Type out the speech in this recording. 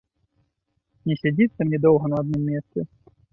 Не сядзіцца мне доўга на адным месцы.